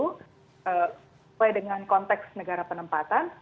sesuai dengan konteks negara penempatan